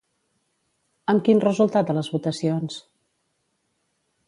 Amb quin resultat a les votacions?